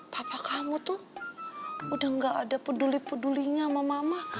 papa kamu tuh udah gak ada peduli pedulinya sama mama